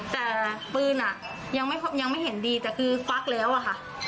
แต่ปืนอ่ะยังไม่เห็นดีแต่คือควักแล้วอะค่ะ